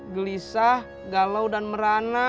gelisah galau dan merana